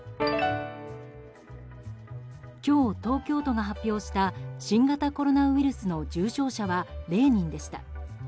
今日、東京都が発表した新型コロナウイルスの重症者は０人でした。